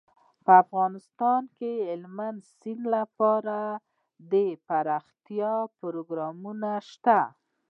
په افغانستان کې د هلمند سیند لپاره د پرمختیا پروګرامونه شته.